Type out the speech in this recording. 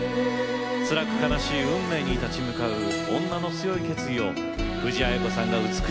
つらく悲しい運命に立ち向かう女の強い決意を藤あや子さんが美しく歌い上げます。